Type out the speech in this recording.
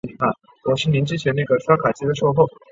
指令操作数的特征